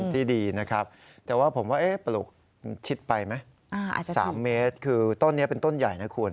ที่ดีนะครับแต่ว่าผมว่าปลูกชิดไปไหม๓เมตรคือต้นนี้เป็นต้นใหญ่นะคุณ